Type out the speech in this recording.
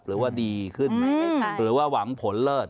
หรือว่าดีขึ้นหรือว่าหวังผลเลิศ